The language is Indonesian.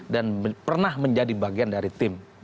dan pernah menjadi bagian dari tim